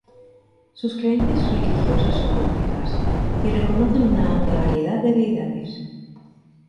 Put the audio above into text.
Sus creencias religiosas son complejas, y reconocen una amplia variedad de deidades.